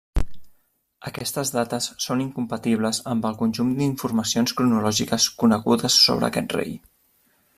Aquestes dates són incompatibles amb el conjunt d'informacions cronològiques conegudes sobre aquest rei.